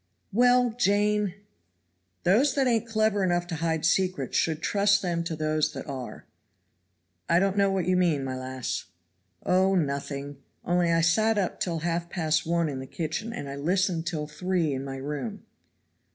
"Well, Jane!" "Those that ain't clever enough to hide secrets should trust them to those that are." "I don't know what you mean, my lass." "Oh, nothing; only I sat up till halfpast one in the kitchen, and I listened till three in my room.